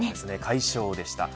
快勝でした。